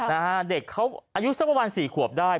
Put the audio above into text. นะฮะเด็กเขาอายุสักประมาณสี่ขวบได้